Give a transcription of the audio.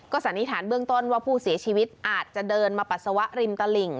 สันนิษฐานเบื้องต้นว่าผู้เสียชีวิตอาจจะเดินมาปัสสาวะริมตลิ่ง